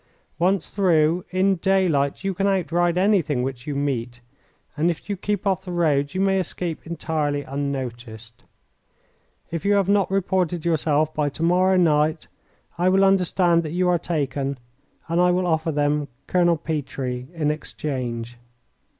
Once through, in daylight you can outride anything which you meet, and if you keep off the roads you may escape entirely unnoticed. If you have not reported yourself by to morrow night, I will understand that you are taken, and I will offer them Colonel Petrie in exchange."